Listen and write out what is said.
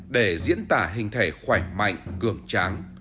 để diễn tả hình thể khỏe mạnh cường tráng